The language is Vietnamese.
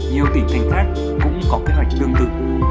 nhiều tỉnh thành khác cũng có kế hoạch tương tự